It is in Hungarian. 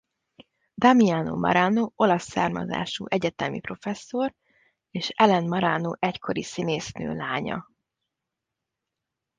Damiano Marano olasz származású egyetemi professzor és Ellen Marano egykori színésznő lánya.